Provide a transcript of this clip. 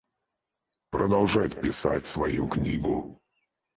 Продолжать писать свою книгу?